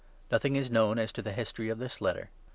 ] NOTHING is known as to the history of this Letter.